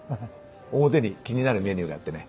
表に気になるメニューがあってね。